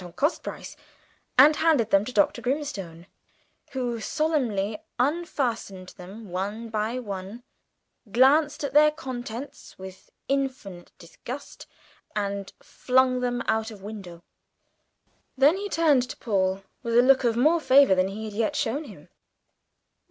on cost price, and handed them to Dr. Grimstone, who solemnly unfastened them one by one, glanced at their contents with infinite disgust, and flung them out of window. Then he turned to Paul with a look of more favour than he had yet shown him.